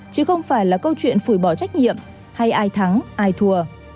chứ không phải là câu chuyện phủi bỏ trách nhiệm hay ai thắng ai thua